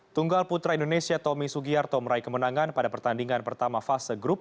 tunggal putra indonesia tommy sugiarto meraih kemenangan pada pertandingan pertama fase grup